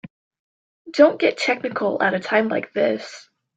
Don't get technical at a time like this.